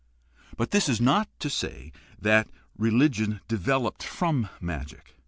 But this is not to say that religion developed from magic.